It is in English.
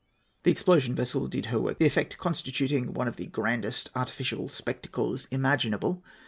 The explosion vessel did her work well, the effect constituting one of the grandest artificial spectacles imaginable.